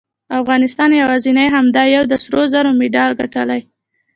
افغانستان یواځې همدا یو د سرو زرو مډال ګټلی